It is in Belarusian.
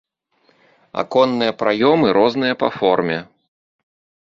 Аконныя праёмы розныя па форме.